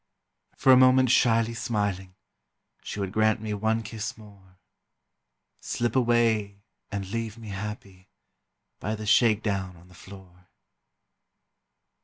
For a moment shyly smiling, She would grant me one kiss more Slip away and leave me happy By the shake down on the floor.